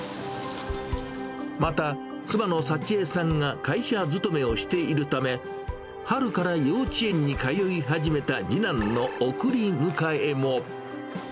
また、妻の幸恵さんが会社勤めをしているため、春から幼稚園に通い始めた次男の送り迎えも。